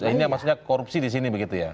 ini maksudnya korupsi di sini begitu ya